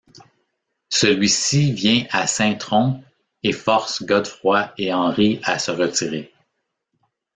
Celui-ci vient à Saint-Trond et force Godefroy et Henri à se retirer.